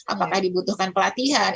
apakah dibutuhkan pelatihan